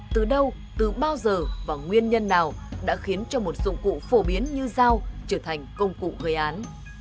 từ đâu từ bao giờ và nguyên nhân nào đã khiến cho một dụng cụ phổ biến như dao trở thành công cụ gây án